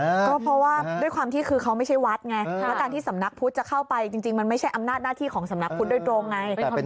เพราะว่าด้วยความที่คือเขาไม่ใช่วัดไงแล้วการที่สำนักพุทธจะเข้าไปจริงมันไม่ใช่อำนาจหน้าที่ของสำนักพุทธโดยตรงไง